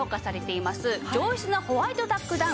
上質なホワイトダックダウン